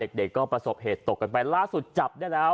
เด็กก็ประสบเหตุตกกันไปล่าสุดจับได้แล้ว